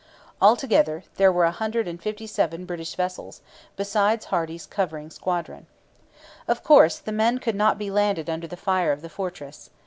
All together, there were a hundred and fifty seven British vessels, besides Hardy's covering squadron. Of course, the men could not be landed under the fire of the fortress.